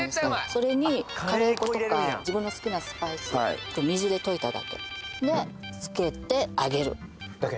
それにカレー粉とか自分の好きなスパイス水で溶いただけで付けて揚げるだけ？